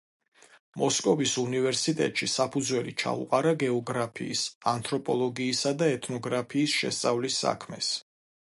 მოსკოვის უნივერსიტეტში საფუძველი ჩაუყარა გეოგრაფიის, ანთროპოლოგიისა და ეთნოგრაფიის შესწავლის საქმეს.